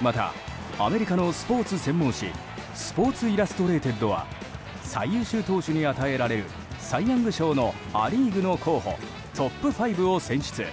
また、アメリカのスポーツ専門紙スポーツ・イラストレイテッドは最優秀投手に与えられるサイ・ヤング賞のア・リーグの候補トップ５を選出。